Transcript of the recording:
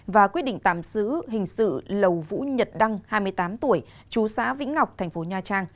và quyết định tạm xứ hình sự lầu vũ nhật đăng hai mươi tám tuổi chú xã vĩnh ngọc tp nha trang